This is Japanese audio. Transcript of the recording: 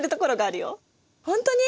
ほんとに！？